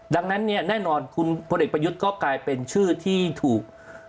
ดังนั้นเนี่ยแน่นอนคุณพลเอกประยุทธ์ก็กลายเป็นชื่อที่ถูก